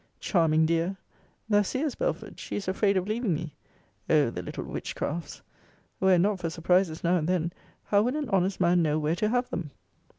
Charming dear! Thou seest, Belford, she is afraid of leaving me! O the little witchcrafts! Were it not for surprises now and then, how would an honest man know where to have them?